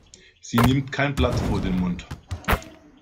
Sie nimmt kein Blatt vor den Mund.